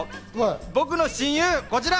僕の親友はこちら！